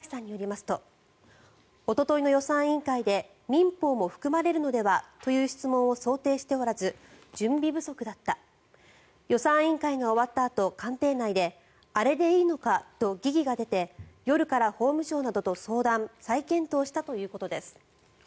田崎さんによりますとおとといの予算委員会で民法も含まれるのでは？という質問を想定しておらず準備不足だった予算委員会が終わったあと官邸内であれでいいのかと疑義が出て夜から法務省などと相談・再検討したということです。